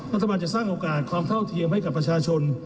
รัฐบาลจะสร้างโอกาสความเท่าเทียมให้กับประชาชน